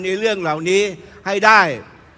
ในเรื่องเหล่านี้ให้ได้